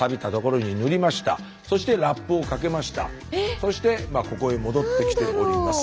そして今ここへ戻ってきております。